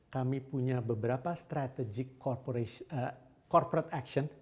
kami punya beberapa strategic corporate action